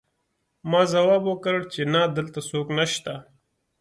ما ځواب ورکړ چې نه دلته څوک نشته